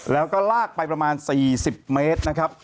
แล้วก็ลากไปประมาณ๔๐เมตรนะครับ